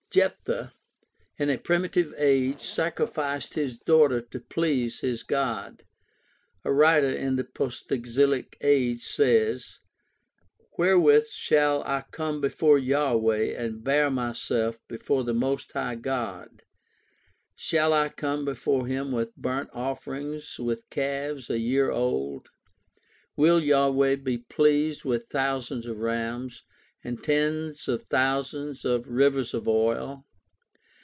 Jephthah in a primitive age sacrificed his daughter to please his God. A writer in the post exilic age says: Wherewith shall I come before Yahweh and bow myself before the most high God? Shall I come before him with burnt offerings, with calves a year old ? Will Yahweh be pleased with thousands of rams, with tens of thousands of rivers of oil